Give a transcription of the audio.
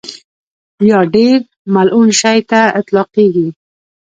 یا ډېر ملعون شي ته اطلاقېږي.